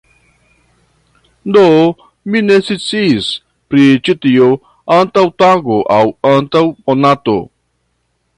Do, mi ne sciis pri ĉi tio antaŭ tago aŭ antaŭ monato.